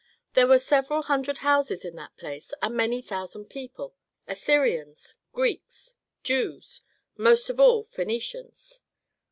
There were several hundred houses in that place and many thousand people, Assyrians, Greeks, Jews, most of all, Phœnicians.